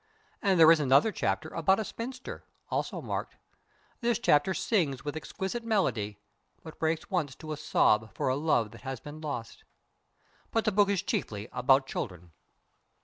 And there is another chapter about a spinster, also marked. This chapter sings with exquisite melody, but breaks once to a sob for a love that has been lost. But the book is chiefly about children.